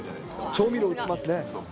調味料売ってますね。